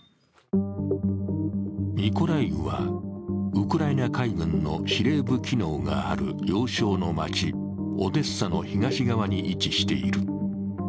ミコライウは、ウクライナ海軍の司令部機能がある要衝の街、オデッサの東側に位置している。